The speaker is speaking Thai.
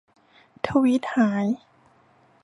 ทวีตหาย